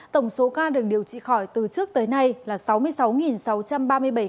tổng số ca được điều trị khỏi từ trước tới nay là sáu mươi sáu sáu trăm ba mươi bảy ca